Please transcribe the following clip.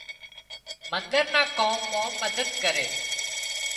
منۮر نا ڪام مان مدد ڪري